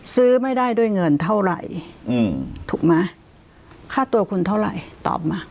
ซื้อไม่ได้ด้วยเงินเท่าไหร่ถูกไหมค่าตัวคุณเท่าไหร่ตอบมา